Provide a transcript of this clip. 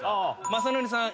雅紀さん